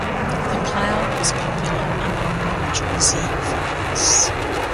The plow was popular among New Jersey farmers.